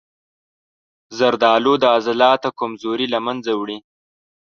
زردآلو د عضلاتو کمزوري له منځه وړي.